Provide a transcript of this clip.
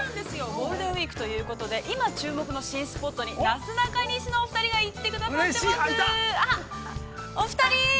ゴールデンウイークということで、今注目の新スポットになすなかにしのお二人が行ってくださっています。